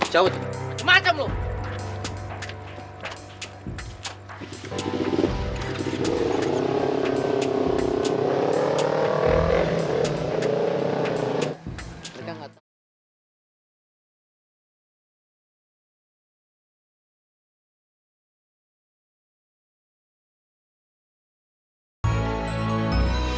jauh jauh macam lu